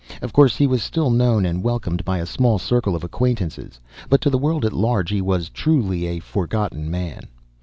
Of course, he was still known and welcomed by a small circle of acquaintances, but to the world at large he was truly a "forgotten man."